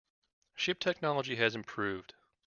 Ship technology has improved.